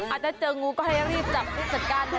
อาจจะเจองูก็ให้รีบจับจัดการนะครับ